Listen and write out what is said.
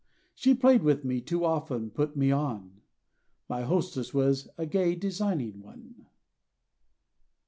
She played with me, too often put me on, My hostess was a gay designing one!